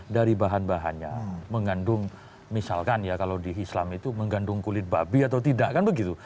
dari bahan bahannya mengandung misalkan ya kalau di islam itu mengandung kulit babi atau tidak kan begitu